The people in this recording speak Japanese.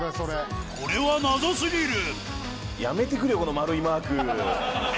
これはやめてくれよこの丸いマーク。